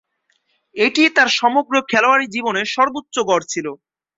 এটিই তার সমগ্র খেলোয়াড়ী জীবনে সর্বোচ্চ গড় ছিল।